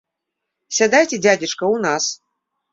Сядайце, дзядзечка, у нас!